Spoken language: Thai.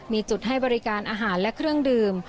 มีจุดให้บริการอาหารและเครื่องดื่ม